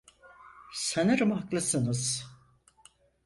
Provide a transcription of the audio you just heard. Sanırım haklısınız.